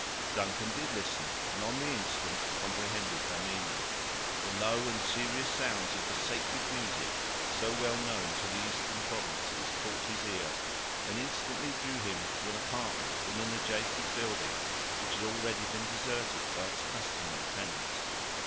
Duncan did listen, and on the instant comprehended her meaning. The low and serious sounds of the sacred music, so well known to the eastern provinces, caught his ear, and instantly drew him to an apartment in an adjacent building, which had already been deserted by its customary tenants.